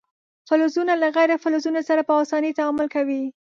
فلزونه له غیر فلزونو سره په اسانۍ تعامل کوي.